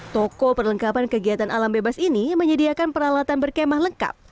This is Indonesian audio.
toko perlengkapan kegiatan alam bebas ini menyediakan peralatan berkemah lengkap